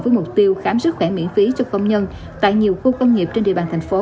với mục tiêu khám sức khỏe miễn phí cho công nhân tại nhiều khu công nghiệp trên địa bàn thành phố